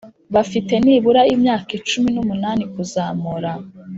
bafite nibura imyaka cumi n umunani kuzamura